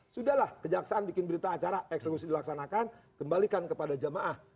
sudahlah kejaksaan bikin berita acara eksekusi dilaksanakan kembalikan kepada jamaah